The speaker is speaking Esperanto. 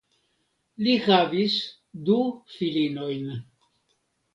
Li havis du filinojn.